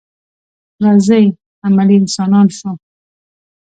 راځئ عملي انسانان شو.